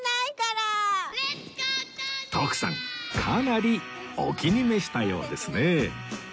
かなりお気に召したようですね